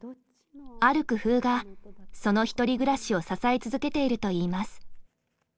ある工夫がその１人暮らしを支え続けているといいます。